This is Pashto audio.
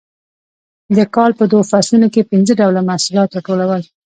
د کال په دوو فصلونو کې پنځه ډوله محصولات راټولول